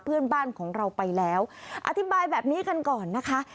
เพื่อนบ้านของเราไปแล้วอธิบายแบบนี้กันก่อนนะคะ